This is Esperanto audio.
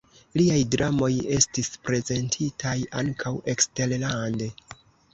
Liaj dramoj estis prezentitaj ankaŭ eksterlande.